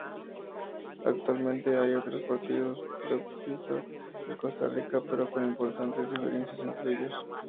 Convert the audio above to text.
Actualmente hay otros partidos trotskistas en Costa Rica pero con importantes diferencias entre ellos.